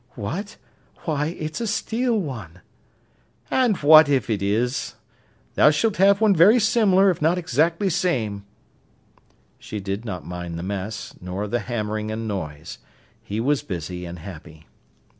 "What! why, it's a steel one!" "An' what if it is! Tha s'lt ha'e one very similar, if not exactly same." She did not mind the mess, nor the hammering and noise. He was busy and happy.